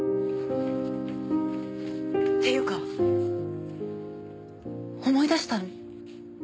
っていうか思い出したの？